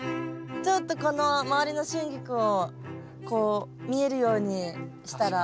ちょっとこの周りのシュンギクをこう見えるようにしたら。